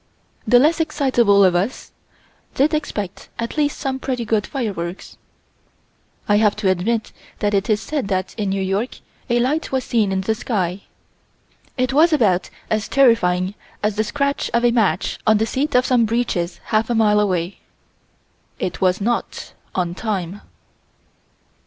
The less excitable of us did expect at least some pretty good fireworks. I have to admit that it is said that, in New York, a light was seen in the sky. It was about as terrifying as the scratch of a match on the seat of some breeches half a mile away. It was not on time.